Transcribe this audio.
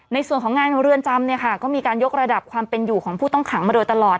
ในส่วนของงานของเรือนจำเนี่ยค่ะก็มีการยกระดับความเป็นอยู่ของผู้ต้องขังมาโดยตลอด